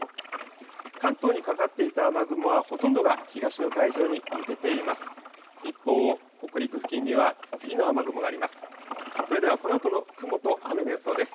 関東にかかっていた雨雲はほとんどが東の海上に抜けています。